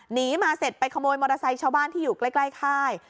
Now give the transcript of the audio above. หนีมาเสร็จไปขโมยมอเตอร์ไซค์ชาวบ้านที่อยู่ใกล้ค่าย